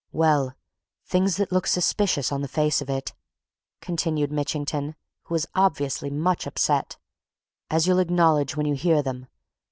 "Well, things that look suspicious, on the face of it," continued Mitchington, who was obviously much upset. "As you'll acknowledge when you hear them.